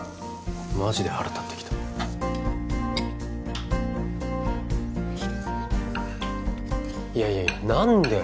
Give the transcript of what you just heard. マジで腹立ってきたいやいやいや何で？